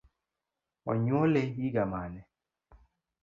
Onyuole higa mane?